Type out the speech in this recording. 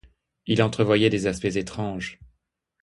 Il entrevoyait des aspects étranges.